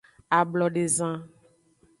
Ablodezan.